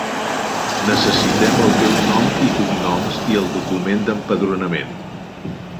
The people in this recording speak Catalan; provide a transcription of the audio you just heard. Necessitem el teu nom i cognoms i el document d'empadronament.